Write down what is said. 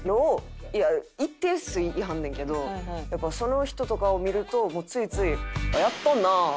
いや一定数いはんねんけどやっぱその人とかを見るともうついつい。